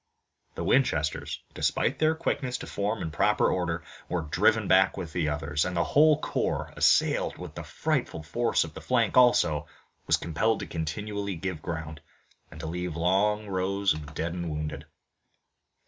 The Winchesters, despite their quickness to form in proper order, were driven back with the others, and the whole corps, assailed with frightful force on the flank also, was compelled continually to give ground, and to leave long rows of dead and wounded.